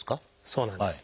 そうなんです。